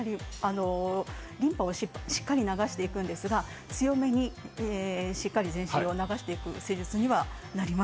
リンパをしっかり流していくんですが強めにしっかり全身を流していく施術にはなります。